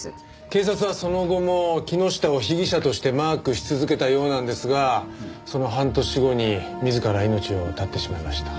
警察はその後も木下を被疑者としてマークし続けたようなんですがその半年後に自ら命を絶ってしまいました。